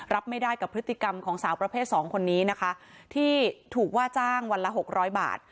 รับไม่ได้กับพฤติกรรมของสาวประเภทสองคนนี้นะคะที่ถูกว่าจ้างวันละหกร้อยบาท